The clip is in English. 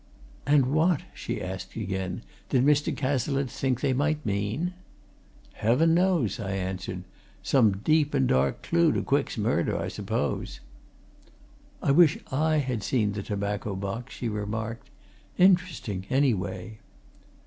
"And what," she asked again, "did Mr. Cazalette think they might mean?" "Heaven knows!" I answered. "Some deep and dark clue to Quick's murder, I suppose." "I wish I had seen the tobacco box," she remarked. "Interesting, anyway."